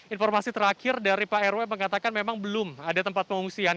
informasi terakhir dari pak rw mengatakan memang belum ada tempat pengungsian